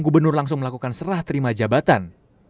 gubernur langsung melakukan serah terima jabatan